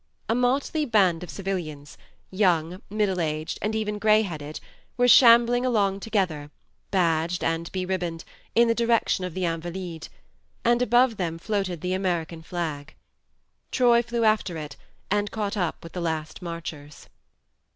A motley band of civilians, young, middle aged, and even grey headed, were shambling along together, badged and beribboned, in the direction of the Invalides ; and above them floated the American flag. Troy flew after it, and caught up with the last marchers.